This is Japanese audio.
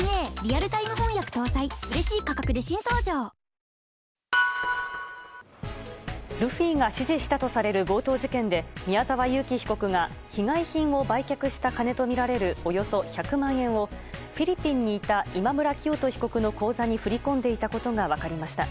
続くルフィが指示したとされる強盗事件で宮沢優樹被告が被害品を売却した金とみられるおよそ１００万円をフィリピンにいた今村磨人被告の口座に振り込んでいたことが分かりました。